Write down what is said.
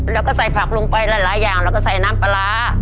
แล้วก็ใส่ผักลงไปหลายอย่างแล้วก็ใส่น้ำปลาร้า